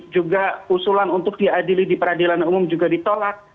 juga usulan untuk diadili di peradilan umum juga ditolak